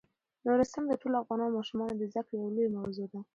نورستان د ټولو افغان ماشومانو د زده کړې یوه لویه موضوع ده.